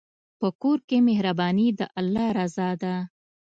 په کور کې مهرباني د الله رضا ده.